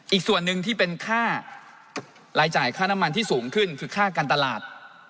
อีกส่วนหนึ่งที่เป็นค่ารายจ่ายค่าน้ำมันที่สูงขึ้นคือค่าการตลาด